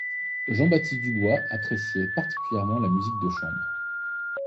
Jean-Baptiste Dubois apprécié particulièrement la musique de chambre.